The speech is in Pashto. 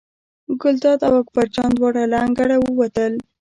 ګلداد او اکبر جان دواړه له انګړه ووتل.